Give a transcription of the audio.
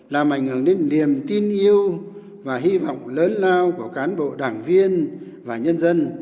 làm ảnh hưởng đến niềm tin yêu và hy vọng lớn lao của cán bộ đảng viên và nhân dân